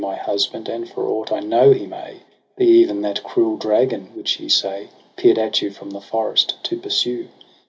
My husband ; and, for aught I know, he may Be even that cruel dragon, which ye say Peer'd at you from the forest to pursue.